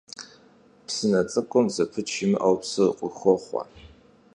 Psıne ts'ık'um zepıç yimı'eu psır khıxoxhue.